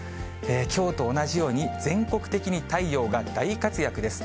きょうと同じように、全国的に太陽が大活躍です。